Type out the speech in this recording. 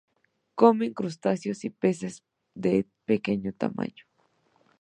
Comen crustáceos y peces de pequeño tamaño.